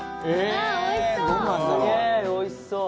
おいしそう！